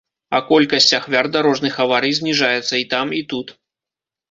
А колькасць ахвяр дарожных аварый зніжаецца і там, і тут.